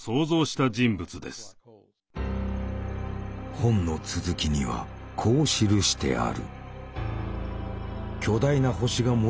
本の続きにはこう記してある。